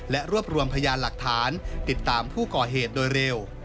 และรวบรวมพยานหลักฐานติดตามผู้ก่อเหตุโดยเร็ว